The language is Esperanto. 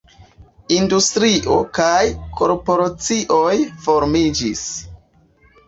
Industrio kaj korporacioj formiĝis.